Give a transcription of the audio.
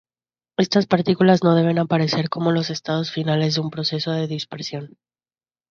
Estas partículas no deben aparecer como los estados finales de un proceso de dispersión.